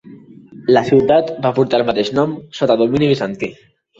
La ciutat va portar el mateix nom sota domini bizantí.